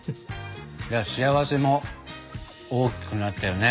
幸せも大きくなったよね。